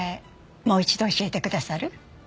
もう一度教えてくださる？